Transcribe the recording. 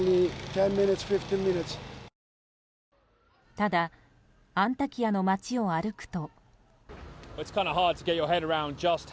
ただ、アンタキヤの街を歩くと。